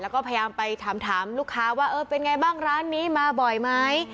แล้วก็พยายามไปถามลูกค้าว่าเออเป็นไงบ้างร้านนี้มาบ่อยไหม